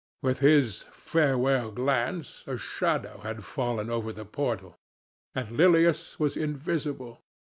With his farewell glance a shadow had fallen over the portal, and Lilias was invisible.